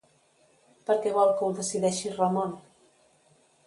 Per què vol que ho decideixi Ramon?